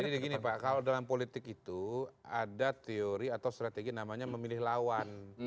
begini pak kalau dalam politik itu ada teori atau strategi namanya memilih lawan